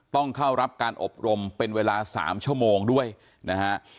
ต้องเข้ารับการอบรมเป็นเวลา๓ชั่วโมงด้วยนะฮะ